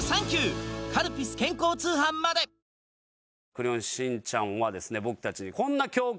『クレヨンしんちゃん』はですね